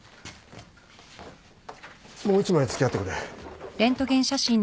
もう一枚付き合ってくれ。